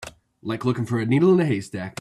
Like looking for a needle in a haystack.